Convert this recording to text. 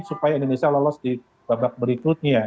supaya indonesia lolos di babak berikutnya